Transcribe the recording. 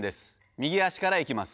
右足からいきます。